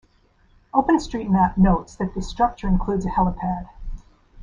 OpenStreetMap notes that the structure includes a helipad.